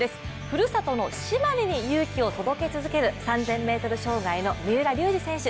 ふるさとの島根に勇気を届け続ける３０００ｍ障害の三浦龍司選手。